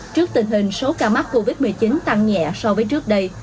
trước tình hình số ca mắc covid một mươi chín tăng nhẹ so với trước đây